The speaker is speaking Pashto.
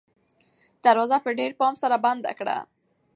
دروازه په ډېر پام سره بنده کړه.